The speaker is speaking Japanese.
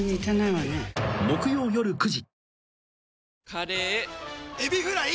カレーエビフライ！